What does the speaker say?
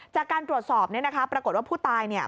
จากการตรวจสอบเนี่ยนะคะปรากฏว่าผู้ตายเนี่ย